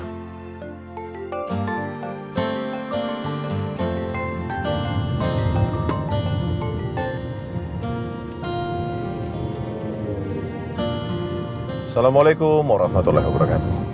assalamualaikum warahmatullahi wabarakatuh